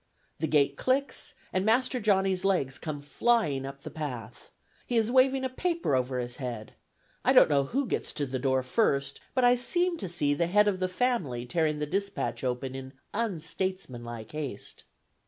The gate clicks, and Master Johnny's legs come flying up the path. He is waving a paper over his head; I don't know who gets to the door first, but I seem to see the Head of the Family tearing the despatch open in unstatesmanlike haste.